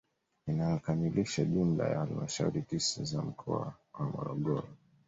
Inayokamilisha jumla ya halmashauri tisa za mkoa wa Morogoro